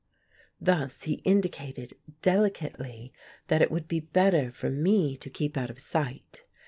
Thus he indicated, delicately, that it would be better for me to keep out of sight.